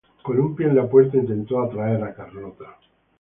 Con un pie en la puerta intentó atraer a Carlota.